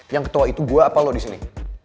yang ketua itu gue apa lo disini